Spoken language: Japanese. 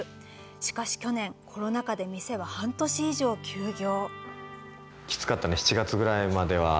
しかし去年コロナ禍で店は半年以上休業。